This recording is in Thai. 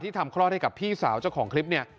ที่ทำคลอดให้กับพี่สาวเจ้าของคลิป